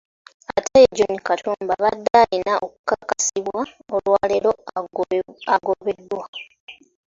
Ate ye John Katumba abadde alina okukakasibwa olwaleero agobeddwa